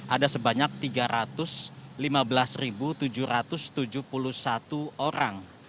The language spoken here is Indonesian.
ada sebanyak tiga ratus lima belas tujuh ratus tujuh puluh satu orang